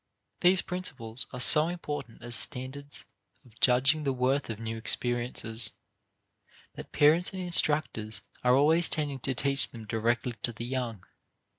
These principles are so important as standards of judging the worth of new experiences that parents and instructors are always tending to teach them directly to the young.